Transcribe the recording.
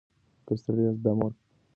که ستړي یاست دم وکړئ.